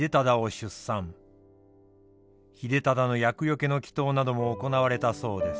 秀忠の厄よけの祈とうなども行われたそうです。